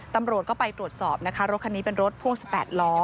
ตำรวจก็ไปตรวจสอบนะคะรถคันนี้เป็นรถพ่วง๑๘ล้อ